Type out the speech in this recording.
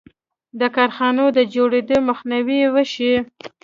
د کارخانو د جوړېدو مخنیوی یې وشي.